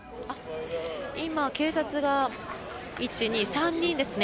今、警察が１、２、３人ですね。